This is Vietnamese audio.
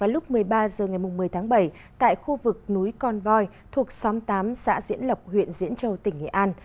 lúc một mươi ba h ngày một mươi tháng bảy tại khu vực núi con voi thuộc xóm tám xã diễn lộc huyện diễn châu tỉnh nghệ an